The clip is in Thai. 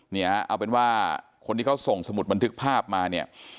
เนี่ยเอาเป็นว่าคนที่เขาส่งสมุดบันทึกภาพมาเนี่ย